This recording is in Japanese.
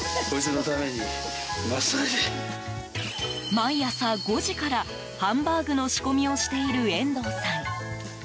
毎朝５時から、ハンバーグの仕込みをしている遠藤さん。